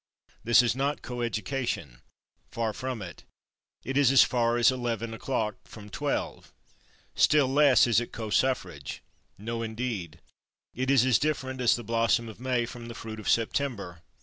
This is not co education; far from it; it is as far as eleven o'clock from twelve. Still less is it co suffrage. No, indeed; it is as different as the blossom of May from the fruit of September.